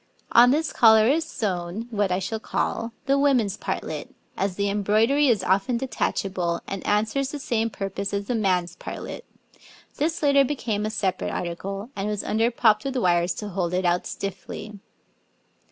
On this collar is sewn what I shall call the woman's partlet, as the embroidery is often detachable and answers the same purpose as the man's partlet; this later became a separate article, and was under propped with wires to hold it out stiffly.